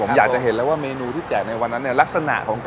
ผมอยากจะเห็นแล้วว่าเมนูที่แจกในวันนั้นเนี่ยลักษณะของการมาทานปีนั้นอย่างไรบ้าง